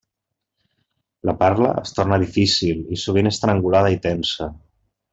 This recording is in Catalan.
La parla es torna difícil i sovint estrangulada i tensa.